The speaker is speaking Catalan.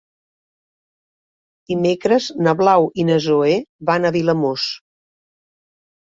Dimecres na Blau i na Zoè van a Vilamòs.